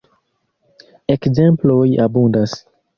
Ekzemploj abundas.